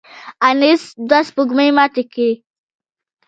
انیسټ دوه سپوږمۍ ماتې کړې.